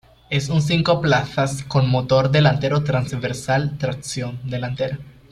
Es un cinco plazas con motor delantero transversal, tracción delantera.